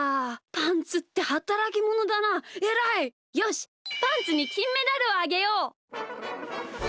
パンツにきんメダルをあげよう。